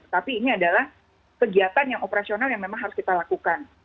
tapi ini adalah kegiatan yang operasional yang memang harus kita lakukan